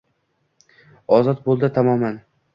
Ozod bo’ldi tamoman.